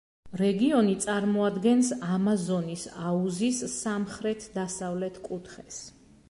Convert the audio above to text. რეგიონი წარმოადგენს ამაზონის აუზის სამხრეთ-დასავლეთ კუთხეს.